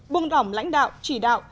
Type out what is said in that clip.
bùng đỏng lãnh đạo chỉ đạo